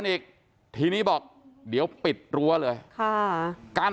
จะไม่เคลียร์กันได้ง่ายนะครับ